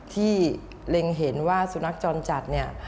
ที่เร็งเห็นว่าสุนัขจรจัด